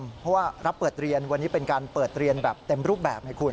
เพราะว่ารับเปิดเรียนวันนี้เป็นการเปิดเรียนแบบเต็มรูปแบบไงคุณ